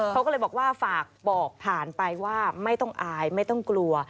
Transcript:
เขาก็เลยบอกว่าฝากบอกผ่านไปว่าไม่ต้องอายไม่ต้องกลัว